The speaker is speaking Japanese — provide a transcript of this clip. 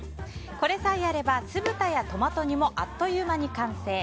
これさえあれば酢豚やトマト煮もあっという間に完成。